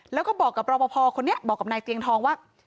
แล้วก็บอกกับรอปภคนนี้บอกกับนายเตียงทองว่า